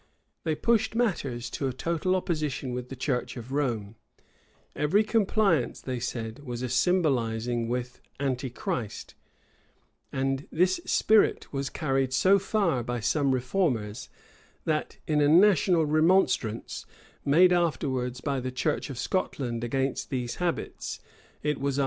They pushed matters to a total opposition with the church of Rome; every compliance, they said, was a symbolizing with Antichrist.[*] And this spirit was carried so far by some reformers, that, in a national remonstrance, made afterwards by the church of Scotland against these habits, it was asked, "What has Christ Jesus to do with Belial?